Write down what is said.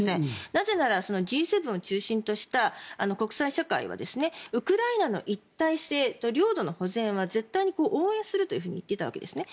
なぜならＧ７を中心とした国際社会はウクライナの一体性と領土の保全は絶対に応援すると言っていたわけですね。